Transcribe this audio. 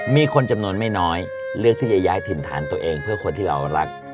มีคนจำนวนไม่น้อยเลือกที่จะย้ายถิ่นฐานตัวเองเพื่อคนที่เรารัก